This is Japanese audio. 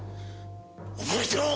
覚えてろ！